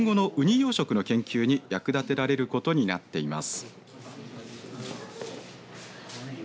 養殖の研究に役立てられることになっています。